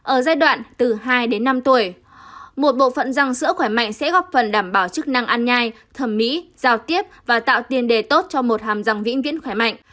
ở giai đoạn từ hai đến năm tuổi một bộ phận răng sữa khỏe mạnh sẽ góp phần đảm bảo chức năng ăn nhai thẩm mỹ giao tiếp và tạo tiền đề tốt cho một hàm răng vĩnh viễn khỏe mạnh